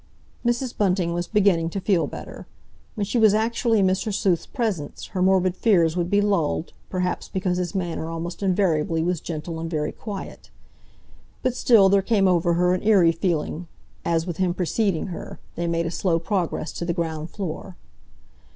Mrs. Bunting was beginning to feel better. When she was actually in Mr. Sleuth's presence her morbid fears would be lulled, perhaps because his manner almost invariably was gentle and very quiet. But still there came over her an eerie feeling, as, with him preceding her, they made a slow progress to the ground floor.